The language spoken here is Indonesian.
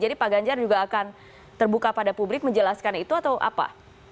jadi pak ganjar juga akan terbuka pada publik menjelaskan itu atau apa